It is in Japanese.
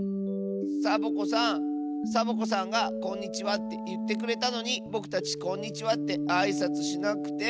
サボ子さんサボ子さんが「こんにちは」っていってくれたのにぼくたち「こんにちは」ってあいさつしなくて。